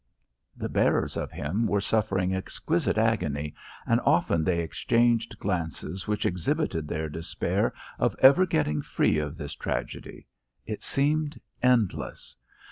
The bearers of him were suffering exquisite agony, and often they exchanged glances which exhibited their despair of ever getting free of this tragedy. It seemed endless.